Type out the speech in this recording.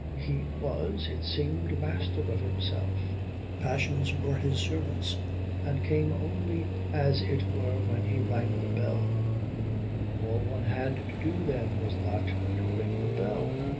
He was, it seemed, master of himself. Passions were his servants, and came only as it were when he rang the bell. All one had to do then was not to ring the bell.